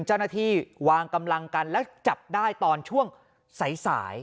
เจ้าหน้าที่วางกำลังกันแล้วจับได้ตอนช่วงสาย